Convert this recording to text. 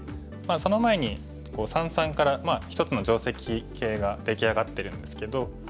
その前に三々から一つの定石形が出来上がってるんですけど。